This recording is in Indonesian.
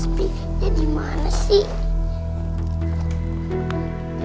tuh psp nya di mana sih